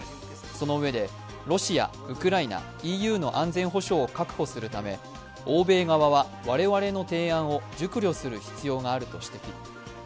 そのうえで、ロシア、ウクライナ、ＥＵの安全保障を確保するため欧米側は我々の提案を熟慮する必要があると指摘。